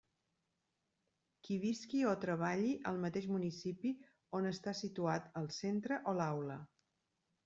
Qui visqui o treballi al mateix municipi on està situat el centre o l'aula.